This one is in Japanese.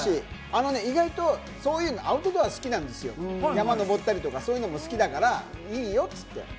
意外とそういうアウトドアは好きなんですよ、山登ったり、そういうの好きだからいいよって。